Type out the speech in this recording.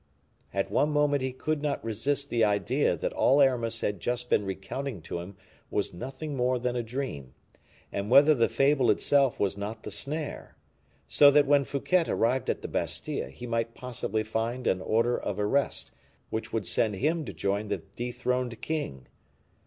At one moment he could not resist the idea that all Aramis had just been recounting to him was nothing more than a dream, and whether the fable itself was not the snare; so that when Fouquet arrived at the Bastile, he might possibly find an order of arrest, which would send him to join the dethroned king.